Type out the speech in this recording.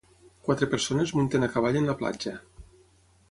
Quatre persones munten a cavall en la platja.